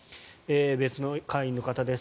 別の会員の方です。